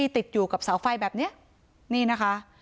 ติดอยู่กับเสาไฟแบบนี้นี่นะคะ